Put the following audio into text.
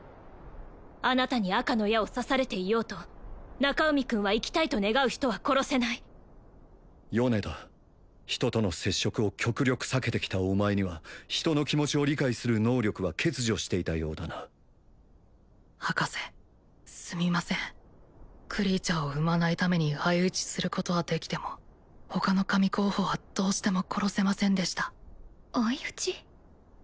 あなたに赤の矢を刺されていようと中海君は生きたいと願う人は殺せない米田人との接触を極力避けてきたお前には人の気持ちを理解する能力は欠如していたようだな博士すみませんクリーチャーを生まないために相打ちすることはできても他の神候補はどうしても殺せませんでした相打ち？